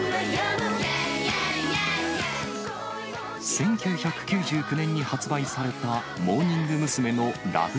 １９９９年に発売された、モーニング娘。のＬＯＶＥ